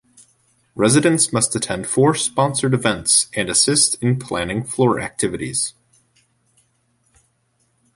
Residents must attend four sponsored events and assist in planning floor activities.